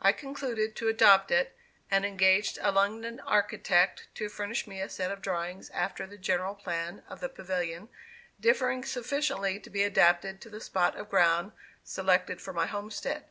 I concluded to adopt it, and engaged a London architect to furnish me a set of drawings after the general plan of the Pavilion, differing sufficiently to be adapted to the spot of ground selected for my homestead.